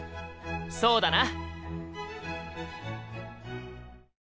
そうだな！